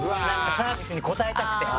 サービスに応えたくて。